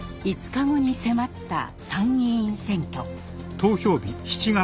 ５日後に迫った参議院選挙。